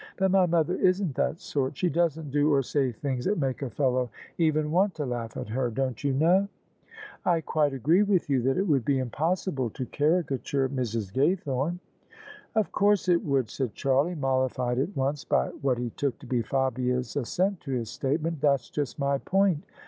But my mother isn't that sort: she doesn't do or say things that make a fellow even want to laugh at her, don't you know?" " I quite agree with you that it would be impossible to caricature Mrs. Gaythorne." [no] OF ISABEL CARNABY " Of course it would," said Charlie, mollified at once by what he took to be Fabia's assent to his statement: " that's just my point.